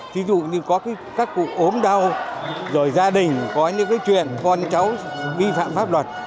thí dụ như có các cụ ốm đau rồi gia đình có những cái chuyện con cháu vi phạm pháp luật